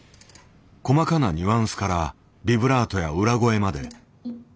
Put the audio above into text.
細かなニュアンスからビブラートや裏声まで。